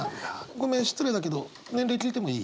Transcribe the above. ごめん失礼だけど年齢聞いてもいい？